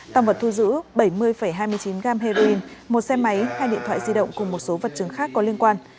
tăng vật thu giữ bảy mươi hai mươi chín gram heroin một xe máy hai điện thoại di động cùng một số vật chứng khác có liên quan